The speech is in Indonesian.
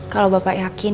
kalau bapak yakin